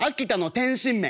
天津麺。